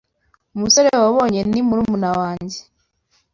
Umusore wabonye ni murumuna wanjye.